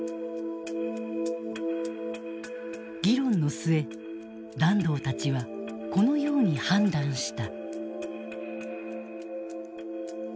議論の末團藤たちはこのように判断した。